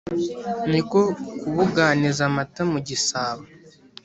niko kubuganiza amata mu gisabo,